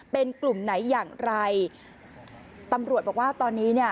เป็นกลุ่มไหนอย่างไรตำรวจบอกว่าตอนนี้เนี่ย